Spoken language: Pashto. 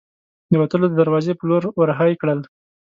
د وتلو د دراوزې په لور ور هۍ کړل.